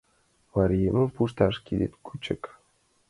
— Мариемым пушташ — кидет кӱчык!